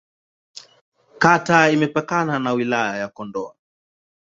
Kata imepakana na Wilaya ya Kondoa.